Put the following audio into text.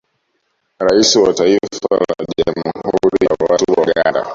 Rais wa Taifa la jamhuri ya watu wa Uganda